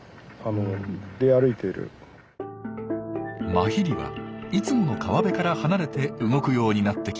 マヒリはいつもの川辺から離れて動くようになってきました。